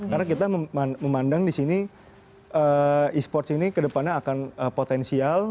karena kita memandang di sini esports ini kedepannya akan potensial